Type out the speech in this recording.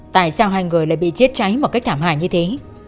tại sao hai người lại bị thiêu cháy một cách thảm hại như thế